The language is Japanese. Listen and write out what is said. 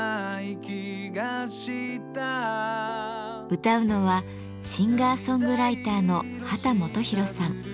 歌うのはシンガーソングライターの秦基博さん。